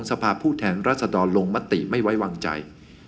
สภาพผู้แทนรัศดรลงมติไม่ไว้วางใจ